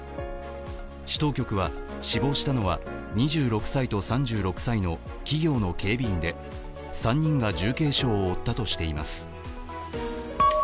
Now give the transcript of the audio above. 市当局は、死亡したのは２６歳と３６歳の企業の警備員で３人が重軽傷を負ったとしています。